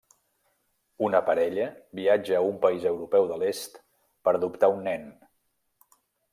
Una parella viatja a un país europeu de l'Est per adoptar un nen.